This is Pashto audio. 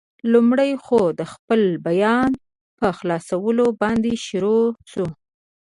لومړی خو، د خپل بیان په خلاصولو باندې شروع شو.